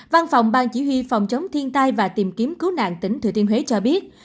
văn phòng ban chỉ huy phòng chống thiên tai và tìm kiếm cứu nạn tỉnh thừa thiên huế cho biết